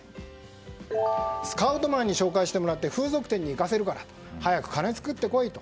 スカウトマンに紹介してもらって風俗店に行かせるから。早く金を作ってこいと。